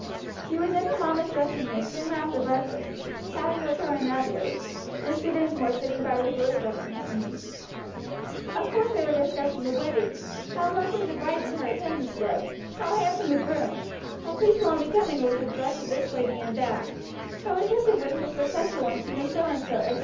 She was in her mamma's dressing room soon after breakfast, chatting with her and Adelaide, Mr. Dinsmore sitting by with Rosebud on his knee. Of course they were discussing the wedding, how lovely the bride and her attendants looked, how handsome the groom, how tasteful and becoming was the dress of this lady and that, how attentive was Mr. Such an one to Miss So and so, etc.